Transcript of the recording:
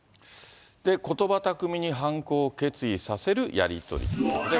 ことば巧みに犯行を決意させるやり取りもということで。